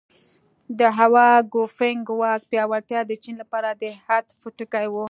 د هوا ګوفینګ واک پیاوړتیا د چین لپاره د عطف ټکی و.